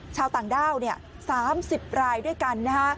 ชาวต่างด้าว๓๐รายด้วยกันนะฮะ